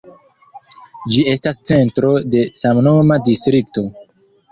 Ĝi estas centro de samnoma distrikto.